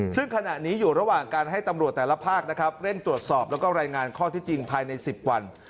ซึ่งขณะนี้อยู่ระหว่างการให้ตำรวจแต่ละภาคนะครับเร่งตรวจสอบแล้วก็รายงานข้อที่จริงภายใน๑๐วัน